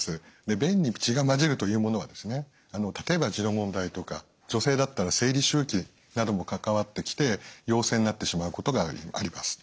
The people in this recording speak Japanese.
便に血が混じるというものは例えば痔の問題とか女性だったら生理周期なども関わってきて陽性になってしまうことがあります。